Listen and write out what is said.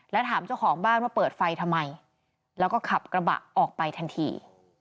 แล้วถามเจ้าของบ้านว่าเปิดไฟทำไมแล้วก็ขับกระบะออกไปทันที